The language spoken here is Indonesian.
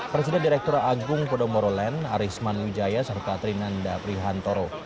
presiden direktur agung podomoro land arisman wijaya serta trinanda prihantoro